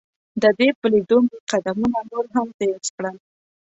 د دې په لیدو مې قدمونه نور هم تیز کړل.